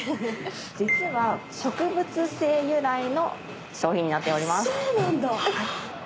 実は植物性由来の商品になっております。